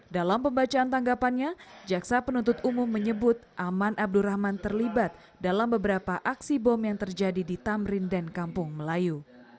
dalam pembacaan tanggapannya jaksa penuntut umum menyebut aman abdurrahman terlibat dalam beberapa aksi bom yang terjadi di tamrin dan kampung melayu